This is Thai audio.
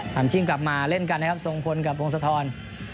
ทำชิ้นกลับมาเล่นกันนะครับทรงพลกับพงศทร